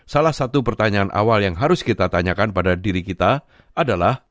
salah satu pertanyaan awal yang harus kita tanyakan pada diri kita adalah